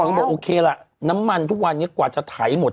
พัทน์ก่อนเค้าบอกโอเคแหละน้ำมันทุกวันไงกว่าจะไถหมด